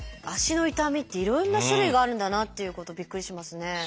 足の痛みっていろいろな種類があるんだなっていうことびっくりしますね。